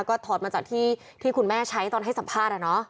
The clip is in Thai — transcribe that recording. ก็ถอดมาจากที่คุณแม่ใช้ตอนให้สัมภาษณ์